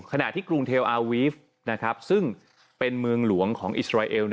ขณะที่กรุงเทลอาวีฟซึ่งเป็นเมืองหลวงของอิสราเอล